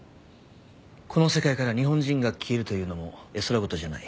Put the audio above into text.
この世界から日本人が消えるというのも絵空事じゃない。